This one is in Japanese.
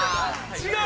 ◆違う？